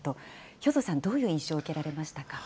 兵頭さん、どういう印象を受けられましたか。